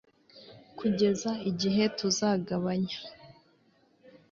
Kugeza igihe tuzagabanya